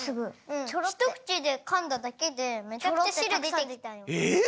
ひとくちでかんだだけでめちゃくちゃしるでてきたよ。え！？